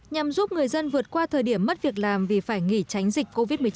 nhằm giúp người dân vượt qua thời điểm mất việc làm vì phải nghỉ tránh dịch covid một mươi chín